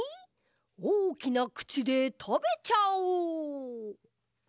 おおきなくちでたべちゃおう！